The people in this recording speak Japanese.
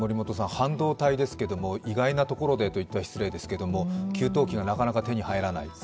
半導体ですが、意外なところでと言ったら失礼ですが給湯器がなかなか手に入らない。